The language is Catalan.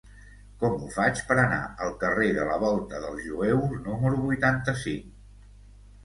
Com ho faig per anar al carrer de la Volta dels Jueus número vuitanta-cinc?